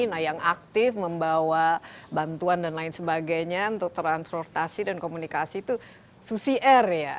nah yang aktif membawa bantuan dan lain sebagainya untuk transportasi dan komunikasi itu susi air ya